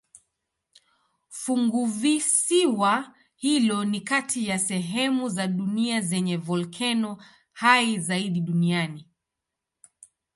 Funguvisiwa hilo ni kati ya sehemu za dunia zenye volkeno hai zaidi duniani.